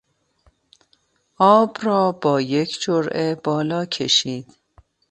آب را با یک جرعه بالا کشید.